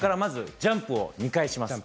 ジャンプを２回します。